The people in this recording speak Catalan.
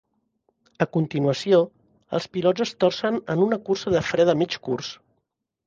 A continuació, els pilots es torcen en una cursa de fre de mig curs.